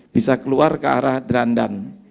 bisa keluar ke arah drandan